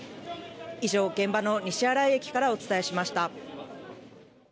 以上、現場の西新井駅からお伝えしました。